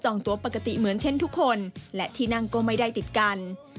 ตัวปกติเหมือนเช่นทุกคนและที่นั่งก็ไม่ได้ติดกัน